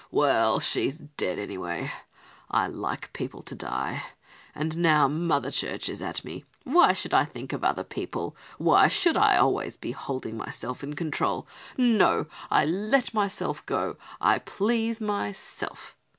Well, she's dead anyway! I like people to die. And now Mother Church is at me. Why should I think of other people, why should I always be holding myself in control? No, I let myself go, I please myself."